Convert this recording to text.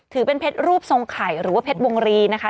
เป็นเพชรรูปทรงไข่หรือว่าเพชรวงรีนะคะ